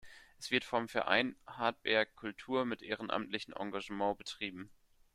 Es wird vom Verein „Hardtberg Kultur“ mit ehrenamtlichen Engagement betrieben.